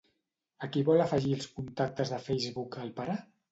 A qui vol afegir als contactes de Facebook el pare?